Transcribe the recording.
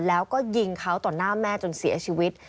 แล้วก็ยิงเขาต่อหน้าแม่จนเสียชีวิต